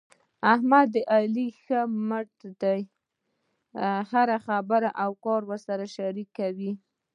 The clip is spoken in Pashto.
احمد د علي ښی مټ دی. هره خبره او کار ورسره شریکوي.